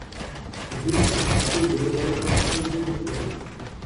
Rue du Duché de Lorraine à Condé-Northen